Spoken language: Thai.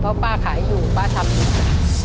เพราะป้าขายอยู่ป้าทำอยู่ค่ะ